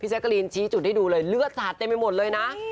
แจ๊กกะรีนชี้จุดให้ดูเลยเลือดสาดเต็มไปหมดเลยนะ